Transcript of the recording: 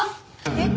えっ？